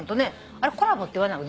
あれコラボって言わないの？